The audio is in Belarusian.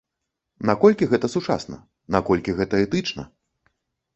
Наколькі гэта сучасна, наколькі гэта этычна?